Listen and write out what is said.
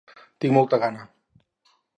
Tinc molta gana.